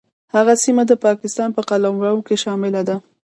هغه سیمه د پاکستان په قلمرو کې شامله ده.